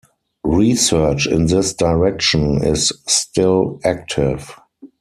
Research in this direction is still active.